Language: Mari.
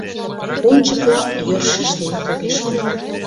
Ончыко йӧршеш нимат огеш кой.